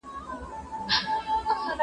د مسلمان او ذمي د ژوند ارزښت برابر دی.